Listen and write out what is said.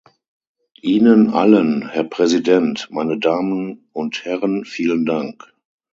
Ihnen allen, Herr Präsident, meine Damen und Herren, vielen Dank.